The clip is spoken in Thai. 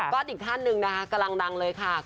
ก็อีกท่านหนึ่งนะคะกำลังดังเลยค่ะ